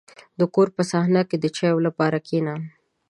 • د کور په صحنه کې د چایو لپاره کښېنه.